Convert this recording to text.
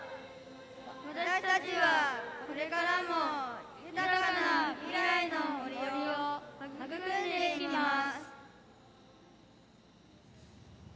私たちは、これからも豊かな未来の森を育んでいきます。